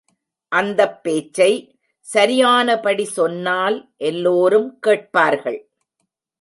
அந்தப் பேச்சை சரியானபடி சொன்னால் எல்லோரும் கேட்பார்கள்.